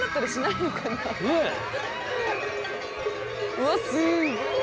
うわっすごい。